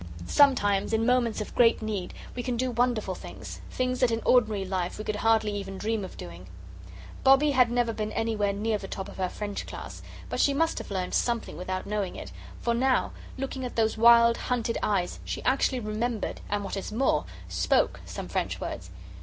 Sometimes, in moments of great need, we can do wonderful things things that in ordinary life we could hardly even dream of doing. Bobbie had never been anywhere near the top of her French class, but she must have learned something without knowing it, for now, looking at those wild, hunted eyes, she actually remembered and, what is more, spoke, some French words.